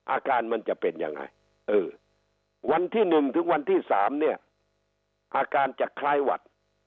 อาการมันจะเป็นยังไงเออวันที่๑ถึงวันที่๓เนี่ยอาการจะคล้ายหวัด